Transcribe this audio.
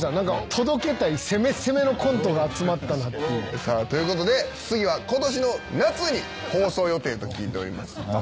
届けたい攻め攻めのコントが集まった。ということで次はことしの夏に放送予定と聞いております。夏？